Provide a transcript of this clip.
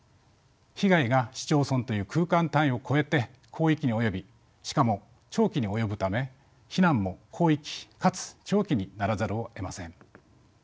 被害が市町村という空間単位を超えて広域に及びしかも長期に及ぶため避難も広域かつ長期にならざるをえません。